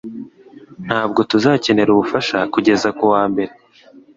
Ntabwo tuzakenera ubufasha kugeza kuwa mbere